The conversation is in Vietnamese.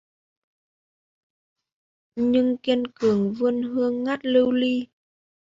Nhưng kiên cường vươn hương ngát lưu ly